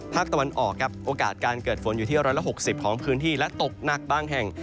ภาคตะวันออกครับโอกาสการเกิดฝนอยู่ที่๑๖๐ของพื้นที่และตกหนักบางแห่ง